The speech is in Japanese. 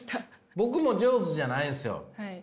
僕も上手じゃないんですよ